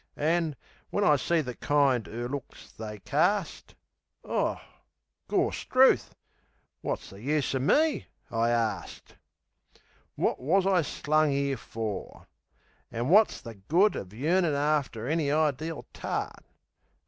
An, when I see the kind er looks they carst... Gorstrooth! Wot is the use o' me, I arst? Wot wus I slung 'ere for? An wot's the good Of yearnin' after any ideel tart?...